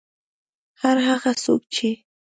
هر هغه څوک چې